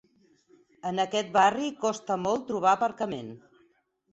En aquest barri costa molt trobar aparcament.